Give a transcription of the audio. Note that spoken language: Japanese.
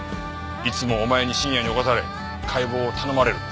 いつもお前に深夜に起こされ解剖を頼まれるって。